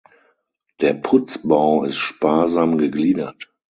Der Putzbau ist sparsam gegliedert.